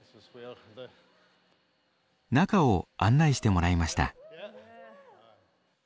中を案内してもらいました。